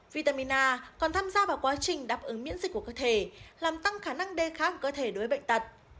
vitamin a còn tham gia vào quá trình đáp ứng miễn dịch của cơ thể làm tăng khả năng đề kháng của cơ thể đối với bệnh tật